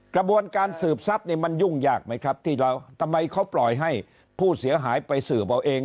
กระบวนการสืบทรัพย์เนี่ยมันยุ่งยากไหมครับที่เราทำไมเขาปล่อยให้ผู้เสียหายไปสืบเอาเอง